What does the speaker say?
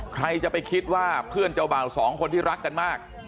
ใครจะไปคิดว่าเพื่อนเจ้าบ่าวสองคนที่รักกันมาก